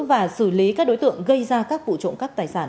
và xử lý các đối tượng gây ra các vụ trộm cắp tài sản